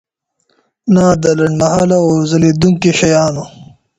نه د لنډمهاله او ځلیدونکي شیانو.